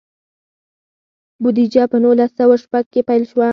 بودیجه په نولس سوه شپږ کې پیل شوه.